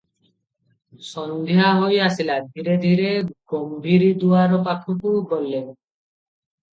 ସନ୍ଧ୍ୟା ହୋଇ ଆସିଲା, ଧୀରେ ଧୀରେ ଗମ୍ଭୀରି ଦୁଆର ପାଖକୁ ଗଲେ ।